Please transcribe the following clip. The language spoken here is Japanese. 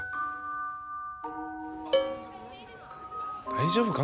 大丈夫か？